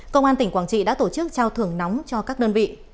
công an tỉnh quảng trị đã tổ chức trao thưởng nóng cho các đơn vị